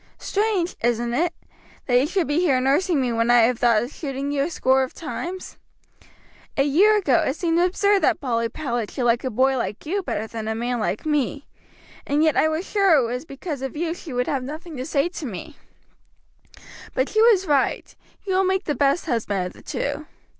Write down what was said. Strange, isn't it, that you should be here nursing me when I have thought of shooting you a score of times? A year ago it seemed absurd that Polly Powlett should like a boy like you better than a man like me, and yet I was sure it was because of you she would have nothing to say to me; but she was right, you will make the best husband of the two.